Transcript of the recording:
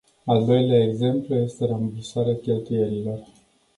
Al doilea exemplu este rambursarea cheltuielilor.